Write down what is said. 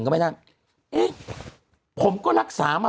คุณหนุ่มกัญชัยได้เล่าใหญ่ใจความไปสักส่วนใหญ่แล้ว